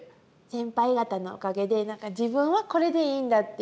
先輩方のおかげで何か自分はこれでいいんだっていう。